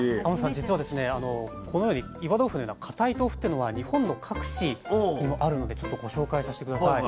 実はこのように岩豆腐のような固い豆腐っていうのは日本の各地にもあるのでちょっとご紹介させて下さい。